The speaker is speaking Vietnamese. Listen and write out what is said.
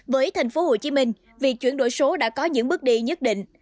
với tp hcm việc chuyển đổi số đã có những bước đi nhất định